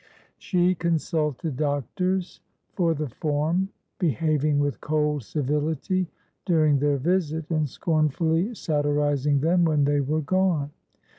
She consulted doctorsfor the form; behaving with cold civility during their visit, and scornfully satirising them when they were gone.